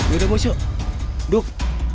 udah bos yuk duk